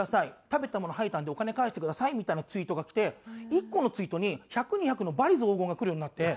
「食べたもの吐いたのでお金返してください」みたいなツイートがきて１個のツイートに１００２００の罵詈雑言がくるようになって。